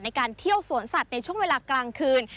ในการเที่ยวสวนสัตว์ในช่วงเวลากลางคืน